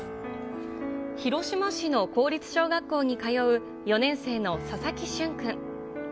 広島市の公立小学校に通う４年生の佐々木駿君。